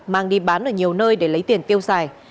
mang đi bán ở nhiều nơi để lấy tiền tiêu xài